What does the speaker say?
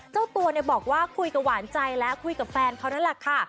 เจ้าตัวบอกว่าคุยกับหวานใจและคุยกับแฟนเขานั่นแหละค่ะ